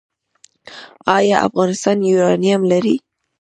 آیا افغانستان یورانیم لري؟